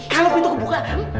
kalo pintu kebuka